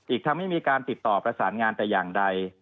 อีกทั้งไม่มีการติดต่อประสานงานแต่อย่างใด